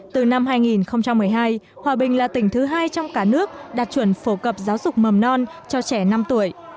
từ năm hai nghìn một mươi hai hòa bình là tỉnh thứ hai trong cả nước đạt chuẩn phổ cập giáo dục mầm non cho trẻ năm tuổi